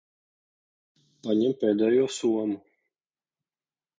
Paņem pēdējo somu.